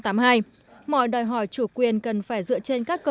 mọi đòi hỏi chủ quyền cần phải dựa trên các cơ sở